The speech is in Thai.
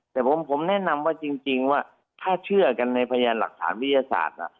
แต่ผมแนะนำว่าจริงว่าถ้าเชื่อกันในพยานหลักฐานวิทยาศาสตร์นะ